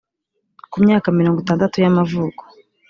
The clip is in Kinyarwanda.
kumyaka mirongo itandatu y amavuko